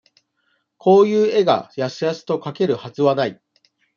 こういう絵が、やすやすと描けるはずはない。